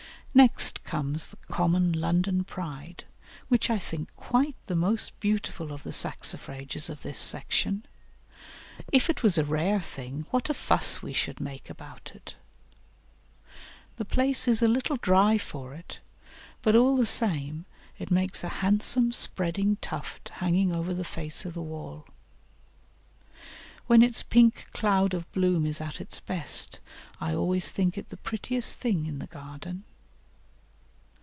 Next comes the common London Pride, which I think quite the most beautiful of the Saxifrages of this section. If it was a rare thing, what a fuss we should make about it! The place is a little dry for it, but all the same, it makes a handsome spreading tuft hanging over the face of the wall. When its pink cloud of bloom is at its best, I always think it the prettiest thing in the garden.